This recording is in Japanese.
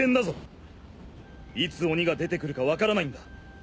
いつ鬼が出てくるか分からないんだ。